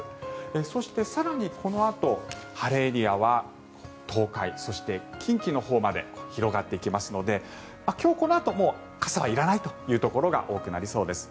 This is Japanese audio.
そして、更にこのあと晴れエリアは東海そして近畿のほうまで広がっていきますので今日このあともう傘はいらないというところが多くなりそうです。